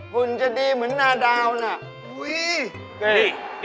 ุ่นจะดีเหมือนนาดาวน่ะ